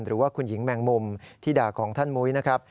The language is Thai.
หรือว่าคุณหญิงแมงมุมที่ด่าของท่านมุ้ยนะครับ